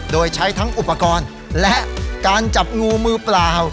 โดยใช้ทั้งอุปกรณ์และการจับงูมือเปล่า